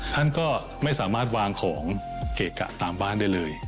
ท่านก็ไม่สามารถวางของเกะกะตามบ้านได้เลย